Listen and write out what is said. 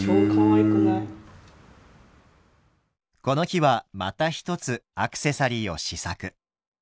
この日はまた一つアクセサリーを試作。